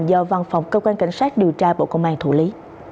do văn phòng cơ quan cảnh sát điều tra bộ công an thủ lý